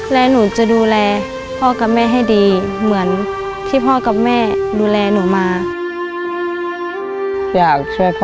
และหนูจะดูแลพ่อกับแม่ให้ดีเหมือนที่พ่อกับแม่ดูแลหนูมาช่วยพ่อ